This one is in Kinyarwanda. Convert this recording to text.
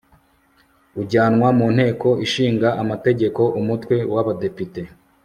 ujyanwa mu nteko ishinga amategeko umutwe w'abadepite